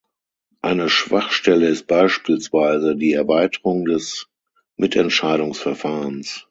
Eine Schwachstelle ist beispielsweise die Erweiterung des Mitentscheidungsverfahrens.